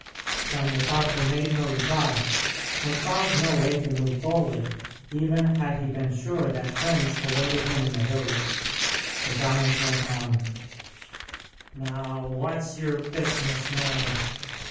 Samuel Parker made no reply, and found no way to move forward, even had he been sure that friends awaited him in the village. The giant went on: "Now, what's your business, man?